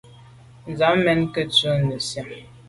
Sàm mèn ke’ ku’ nesian.